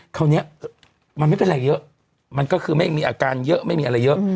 คราวนี้มันไม่เป็นไรเยอะมันก็คือไม่มีอาการเยอะไม่มีอะไรเยอะ